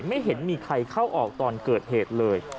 ไม่เห็นมีใครเข้าออกตอนเกิดเหตุเลย